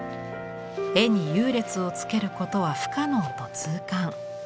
絵に優劣をつけることは不可能と痛感。